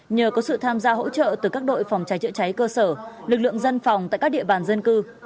nhờ có sự tham gia hỗ trợ từ các đội phòng cháy chữa cháy cơ sở lực lượng dân phòng tại các địa bàn dân cư